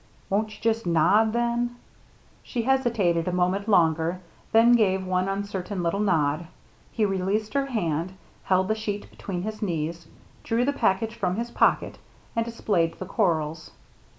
" Won't you just nod, then ?" She hesitated a moment longer, then gave one uncertain little nod. He released her hand, held the sheet between his knees, drew the package from his pocket, and displayed the corals.